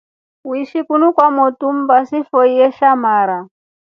Uishile kunu kwa motu mbaa silifoe sha mara.